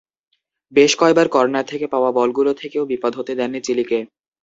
বেশ কয়বার কর্নার থেকে পাওয়া বলগুলো থেকেও বিপদ হতে দেননি চিলিকে।